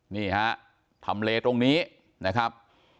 นี่ฮะทำเลตรงนี้นะครับ